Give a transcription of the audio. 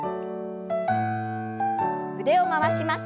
腕を回します。